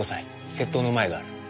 窃盗のマエがある。